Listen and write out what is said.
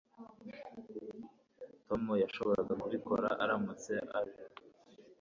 Tom yashoboraga kubikora aramutse age